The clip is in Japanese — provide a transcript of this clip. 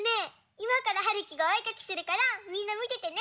いまからはるきがおえかきするからみんなみててね！